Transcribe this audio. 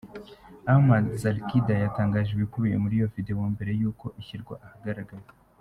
Ahmad Salkida yatangaje ibikubiye muri iyo video mbere yuko ishyirwa ahagaragara.